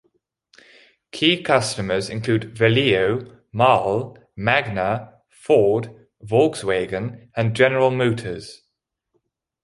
Key customers include Valeo, Mahle, Magna, Ford, Volkswagen and General Motors.